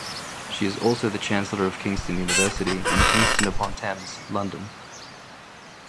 She is also the Chancellor of Kingston University in Kingston upon Thames, London.